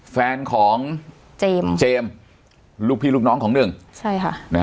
แฟนของเจมส์เจมส์ลูกพี่ลูกน้องของหนึ่งใช่ค่ะนะฮะ